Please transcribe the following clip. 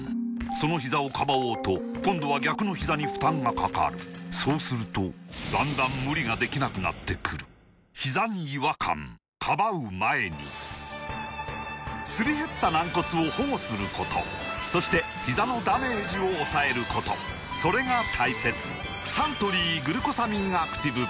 そのひざをかばおうと今度は逆のひざに負担がかかるそうするとだんだん無理ができなくなってくるすり減った軟骨を保護することそしてひざのダメージを抑えることそれが大切サントリー「グルコサミンアクティブ」